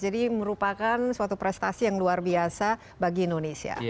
jadi merupakan suatu prestasi yang luar biasa bagi indonesia